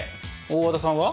大和田さん